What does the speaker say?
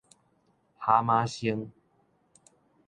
哈馬星